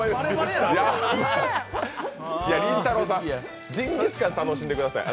りんたろーさん、ジンギスカンを楽しんでください。